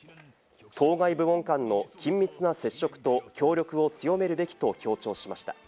当該部門間の緊密な接触と協力を強めるべきと強調しました。